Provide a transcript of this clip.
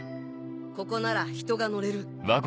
ここなら人が乗れる。